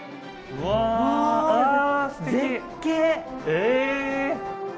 え！